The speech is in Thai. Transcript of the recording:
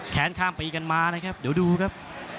แขนข้ามไปกันมาเลยครับถูกครับ